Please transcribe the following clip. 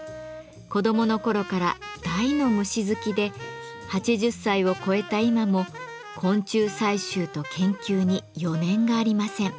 子どもの頃から大の虫好きで８０歳を超えた今も昆虫採集と研究に余念がありません。